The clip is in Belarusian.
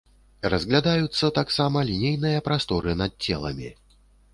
Разглядаюцца таксама лінейныя прасторы над целамі.